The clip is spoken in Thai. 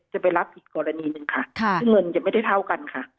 จะไปรับอีกกรณีหนึ่งค่ะซึ่งเงินจะไม่ได้เท่ากันค่ะ